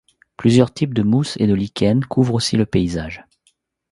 Plusieurs types de mousses et de lichens couvrent aussi le paysage.